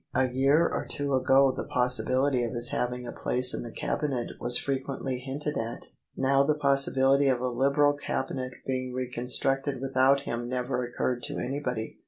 A year or two ago the possibility of his having a place in the Cabinet was frequently hinted at: now the possibility of a Liberal Cabinet being reconstructed without him never occurred to anybody.